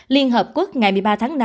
liên hợp quốc ngày một mươi ba tháng năm